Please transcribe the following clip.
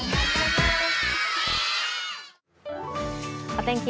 お天気